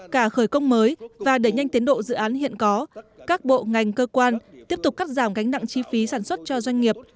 cả khởi công mới và đẩy nhanh tiến độ dự án hiện có các bộ ngành cơ quan tiếp tục cắt giảm gánh nặng chi phí sản xuất cho doanh nghiệp